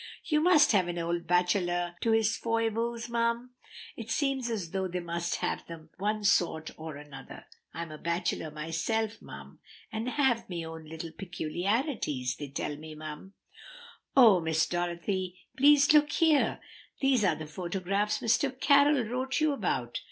"You must leave an old bachelor to his foibles, mum. It seems as though they must have them of one sort or another. I'm a bachelor myself, mum, and have me own little peculiarities, they tell me, mum." "Oh, Miss Dorothy, please look here! These are the photographs Mr. Carroll wrote you about!"